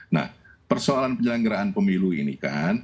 nah persoalan penjelanggeraan pemilu ini kan